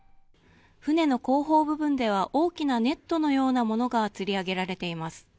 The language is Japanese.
船の後方部分では大きなネットのようなものがつり上げられています。